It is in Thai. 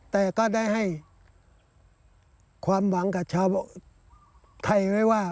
แต่ก็ได้ให้ความหวังกับชาวไทยไว้ว่า